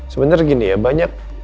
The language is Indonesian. sebenarnya gini ya